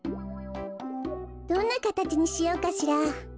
どんなかたちにしようかしら。